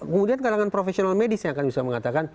kemudian kalangan profesional medis yang akan bisa mengatakan